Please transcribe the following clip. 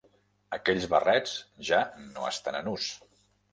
Aquells barrets ja no estan en ús.